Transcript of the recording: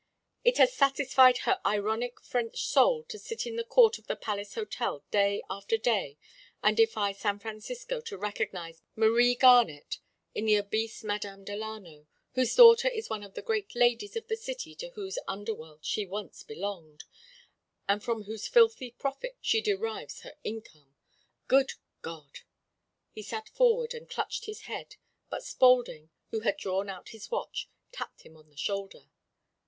It has satisfied her ironic French soul to sit in the court of the Palace Hotel day after day and defy San Francisco to recognize Marie Garnett in the obese Madame Delano, whose daughter is one of the great ladies of the city to whose underworld she once belonged, and from whose filthy profits she derives her income. Good God!" He sat forward and clutched his head, but Spaulding, who had drawn out his watch, tapped him on the shoulder.